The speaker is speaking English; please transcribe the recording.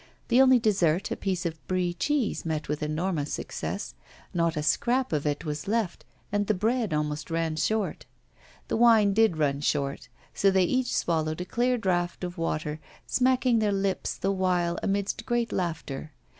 The only dessert, a piece of Brie cheese, met with enormous success. Not a scrap of it was left, and the bread almost ran short. The wine did run short, so they each swallowed a clear draught of water, smacking their lips the while amidst great laughter.